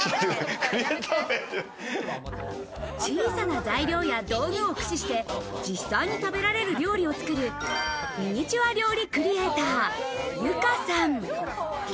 小さな材料や道具を駆使して、実際に食べられる料理を作るミニチュア料理クリエイター・Ｙｕｋａさん。